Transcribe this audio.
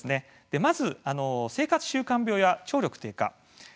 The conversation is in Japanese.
まず生活習慣病や聴力低下。